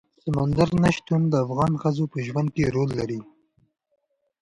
سمندر نه شتون د افغان ښځو په ژوند کې رول لري.